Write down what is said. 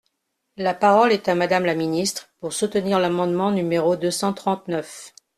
La parole est à Madame la ministre, pour soutenir l’amendement numéro deux cent trente-neuf.